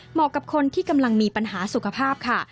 กับคนที่กำลังมีปัญหาสุขภาพค่ะ